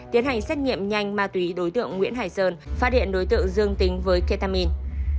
tiến hành xét nghiệm nhanh ma túy đối tượng nguyễn hải sơn phát hiện đối tượng dương tính với ketamin